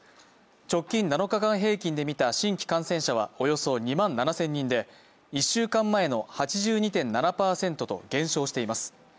直近７日間平均で見た新規感染者はおよそ２万７０００人で１週間前の８２．７％と減少しています。